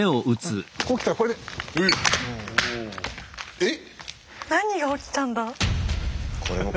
えっ。